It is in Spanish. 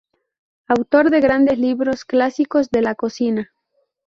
Autor de grandes libros clásicos de la cocina.